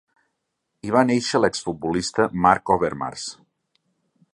Hi va néixer l'exfutbolista Marc Overmars.